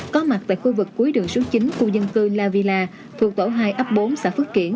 có mặt tại khu vực cuối đường số chín khu dân cư la villa thuộc tổ hai ấp bốn xã phước kiển